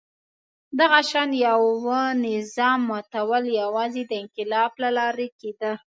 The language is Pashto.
دغه شان یوه نظام ماتول یوازې د انقلاب له لارې کېده.